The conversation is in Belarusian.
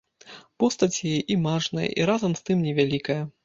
Постаць яе і мажная і, разам з тым, невялікая.